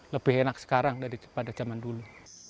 lebih enak sekarang dari pada zaman dulu